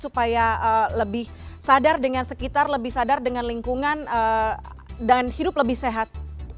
supaya lebih sadar dengan sekitar lebih sadar dengan lingkungan dan hidup lebih sehat